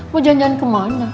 mau jalan jalan kemana